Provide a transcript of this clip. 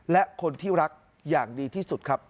และคนที่รักอย่างดีที่สุดครับ